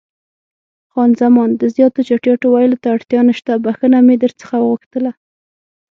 خان زمان: د زیاتو چټیاتو ویلو ته اړتیا نشته، بښنه مې در څخه وغوښتله.